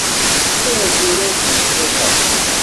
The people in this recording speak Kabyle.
Ar tura ur kem-ẓriɣ ara.